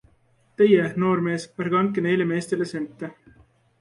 Teie, noormees, ärge andke neile meestele sente!